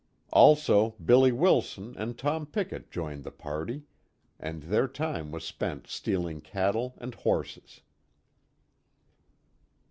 Also Billy Wilson and Tom Pickett joined the party, and their time was spent stealing cattle and horses.